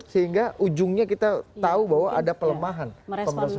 sehingga ujungnya kita tahu bahwa ada pelemahan pemberantasan korupsi